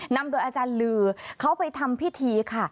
นำโดยอาจารย์ลือเขาไปทำพิธีค่ะ